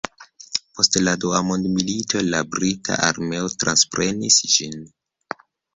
Post la dua mondmilito la brita armeo transprenis ĝin.